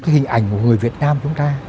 hình ảnh của người việt nam chúng ta